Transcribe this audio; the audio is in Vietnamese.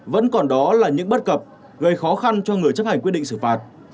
vẫn còn đó là những bất cập gây khó khăn cho người chấp hành quyết định xử phạt